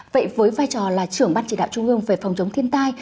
vậy với vai trò là trưởng ban chỉ đạo trung ương về phòng chống thiên tai